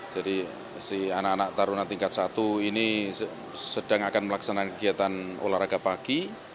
jadi si anak anak taruh di tingkat satu ini sedang akan melaksanakan kegiatan olahraga pagi